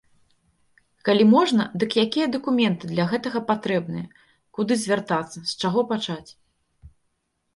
Калі можна, дык якія дакументы для гэтага патрэбныя, куды звяртацца, з чаго пачаць?